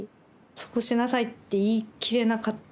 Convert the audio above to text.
そうしなさいって言い切れなかったのかは。